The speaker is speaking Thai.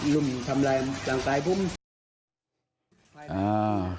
ลุ่มทำลายร่างกายพรุ่ม